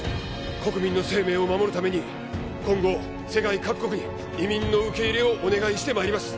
国民の生命を守るために今後世界各国に移民の受け入れをお願いしてまいります